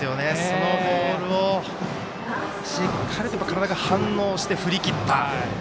そのボールをしっかりと体が反応して振り切った。